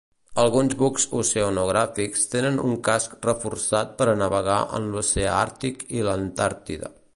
Alguns bucs oceanogràfics tenen un casc reforçat per navegar en l'Oceà Àrtic i l'Antàrtida.